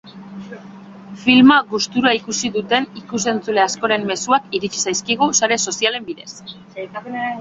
Filma gustura ikusi duten ikus-entzule askoren mezuak iritsi zaizkigu sare sozialen bidez.